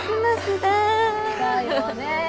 だよね。